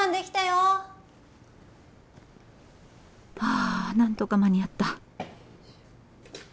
あなんとか間に合った。